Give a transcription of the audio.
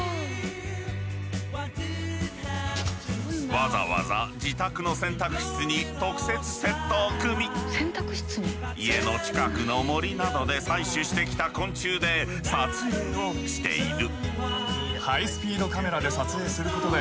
わざわざ自宅の洗濯室に特設セットを組み家の近くの森などで採取してきた昆虫で撮影をしている。